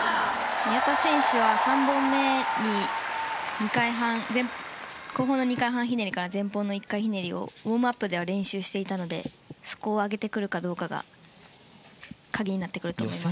宮田選手は３本目に後方の２回半ひねりから前方の１回ひねりをウォームアップでは練習していたのでそこを上げてくるかどうかが鍵になってくると思います。